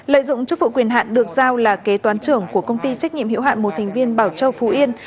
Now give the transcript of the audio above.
lợi dụng chức vụ quyền hạn được giao là kế toán trưởng của công ty trách nhiệm hiệu hạn một thành viên bảo châu phú yên